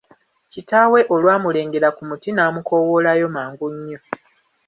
Kitaawe olwamulengera ku muti n'amukowoolayo mangu nnyo.